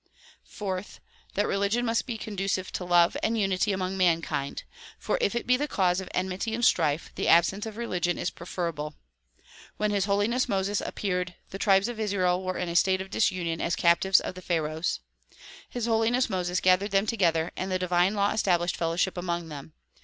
Fourth; that religion must be conducive to love and unity among mankind; for if it be the cause of enmity and strife the absence of religion is preferable. When His Holiness Moses ap peared the tribes of Israel were in a state of disunion as captives of the Pharaohs. His Holiness Moses gathered them together and the divine law established fellowship among them.